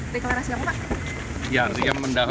deklarasi apa pak